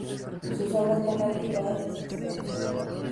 Su obra narrativa es extensa.